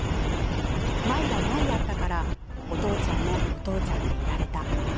舞が舞やったからお父ちゃんもお父ちゃんでいられた。